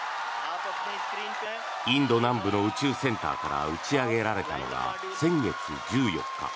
インド南部の宇宙センターから打ち上げられたのが先月１４日。